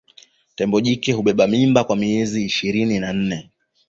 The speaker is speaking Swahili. Tembo jike hubeba mimba kwa miezi ishirini na nne